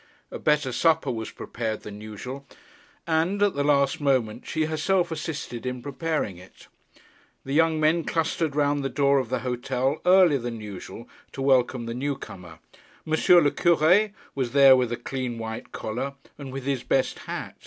A better supper was prepared than usual; and, at the last moment, she herself assisted in preparing it. The young men clustered round the door of the hotel earlier than usual to welcome the new comer. M. le Cure was there with a clean white collar, and with his best hat.